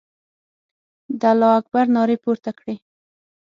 د الله اکبر نارې پورته کړې.